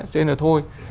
thế là thôi